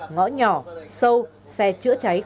ngõ nhỏ sâu xe chữa cháy khó